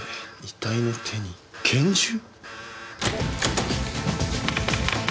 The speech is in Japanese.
遺体の手に拳銃！？